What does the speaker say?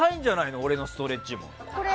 俺のストレッチも。